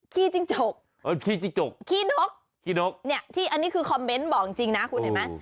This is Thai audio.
ขี้จิ้งจกขี้นกนี่อันนี้คือคอมเม้นต์บอกจริงนะคุณเห็นไหม